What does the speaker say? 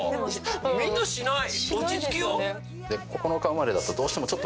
みんなしない？